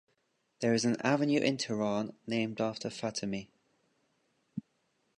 There is an avenue in Tehran named after Fatemi.